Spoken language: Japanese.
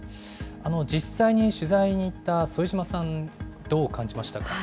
実際に取材に行った副島さん、どう感じましたか。